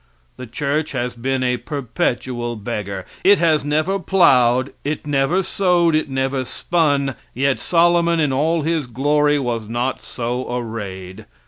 The church has been a perpetual beggar. It has never plowed, it never sowed, it never spun, yet Solomon in all his glory was not so arrayed.